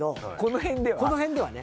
このへんではね。